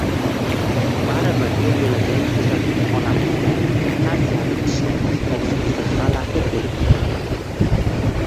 Baribir yoʻl-yoʻlakay koʻsakni olamiz-da, karsillatib tishlaymiz – ogʻzingiz gʻalati boʻlib ketadi.